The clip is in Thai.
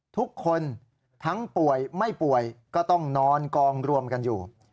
ทุกคนทั้งป่วยไม่ป่วยก็ต้องนอนกองรวมกันอยู่